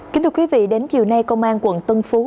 kính thưa quý vị đến chiều nay công an quận tân phú